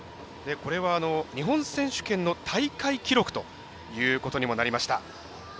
日本選手権の大会記録ということになりました。